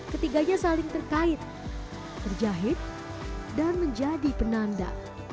ketiganya saling terkait terjahit dan menjadi penanda